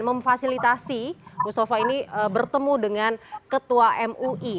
memfasilitasi mustafa ini bertemu dengan ketua mui